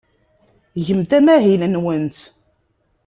Gemt amahil-nwent.